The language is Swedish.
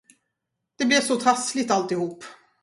Det blev så trassligt, alltihop.